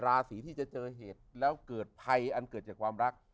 ราศีที่จะเจอเหตุแล้วเกิดภัยอันเกิดจากความรัก